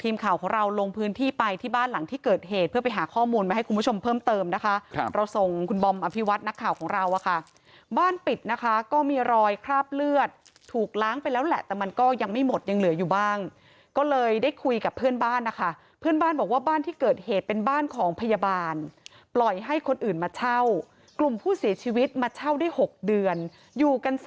ทีมข่าวของเราลงพื้นที่ไปที่บ้านหลังที่เกิดเหตุเพื่อไปหาข้อมูลมาให้คุณผู้ชมเพิ่มเติมนะคะครับเราส่งคุณบอมอภิวัตนักข่าวของเราอะค่ะบ้านปิดนะคะก็มีรอยคราบเลือดถูกล้างไปแล้วแหละแต่มันก็ยังไม่หมดยังเหลืออยู่บ้างก็เลยได้คุยกับเพื่อนบ้านนะคะเพื่อนบ้านบอกว่าบ้านที่เกิดเหตุเป็นบ้านของพยาบาลปล่อยให้คนอื่นมาเช่ากลุ่มผู้เสียชีวิตมาเช่าได้๖เดือนอยู่กันส